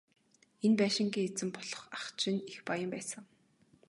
Энэ байшингийн эзэн болох ах чинь их баян байсан.